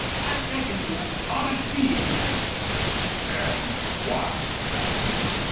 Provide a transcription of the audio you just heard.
"I reckoned you oughter see him." "An' why, Brackton?"